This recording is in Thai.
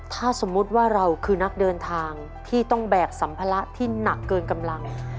ถ้าสมมุติว่าเราคือนักเดินทางที่ต้องแบกสัมภาระที่หนักเกินกำลัง